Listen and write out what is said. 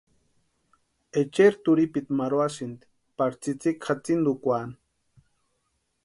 Echeri turhipiti marhuasïnti pari tsïtsïki jatsintukwaani.